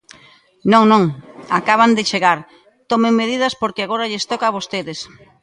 Non, non, acaban de chegar, tomen medidas porque agora lles toca a vostedes.